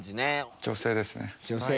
女性ですね。